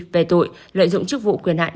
về tội lợi dụng chức vụ quyền hạn